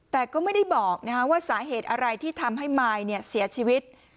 แต่ก็ไม่ได้บอกว่าสาเหตุอะไรที่ทำให้มายเสียชีวิต